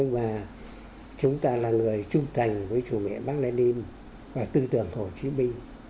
nhưng mà chúng ta là người trung thành với chủ nghĩa bác lên điên và tư tưởng hồ chí minh